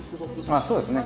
あっそうですね。